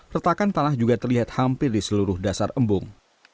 retakan tanah juga terlihat hampir di seluruh dasar embung